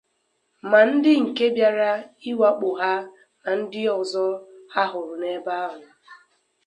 ma ndị nke bịara ịwakpò ha ma ndị ọzọ ha hụrụ n'ebe ahụ.